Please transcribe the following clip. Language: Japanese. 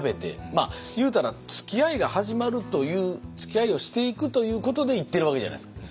まあ言うたらつきあいが始まるというつきあいをしていくということで行ってるわけじゃないですか。